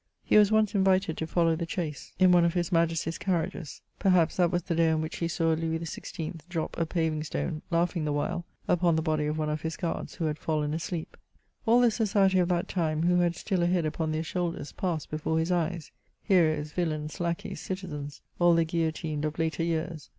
He ^as once invited to follow the chase, in one of his Majesty's 8 MEMOIRS OF carriages. Perhaps that was the day on which he saw Louis XVI drop a paTing stone, laughing the while, upon the hody of one of his guards who had iailen asleep. All the society of that time, who had still a head upon their shoulders, passed hefore his eyes :— heroes, yiUains, lacqueys, citizens — all the guillotined of later years.